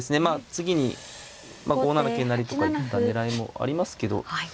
次に５七桂成とかいった狙いもありますけど。